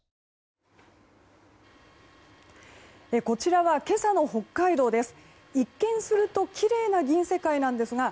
こちらは今朝の北海道です。